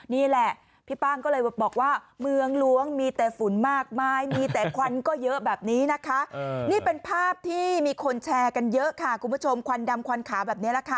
นี่แหละพี่ป้างก็เลยบอกว่า